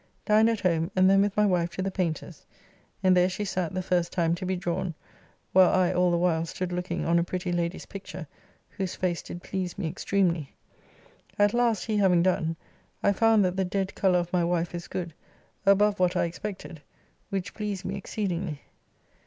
Dined at home and then with my wife to the Paynter's, and there she sat the first time to be drawn, while I all the while stood looking on a pretty lady's picture, whose face did please me extremely. At last, he having done, I found that the dead colour of my wife is good, above what I expected, which pleased me exceedingly.